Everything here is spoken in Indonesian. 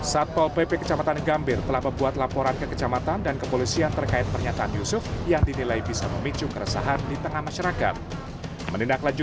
satpol pp kecamatan gambir telah membuat laporan ke kecamatan dan kepolisian terkait pernyataan yusuf yang dinilai bisa memicu keresahan di tengah masyarakat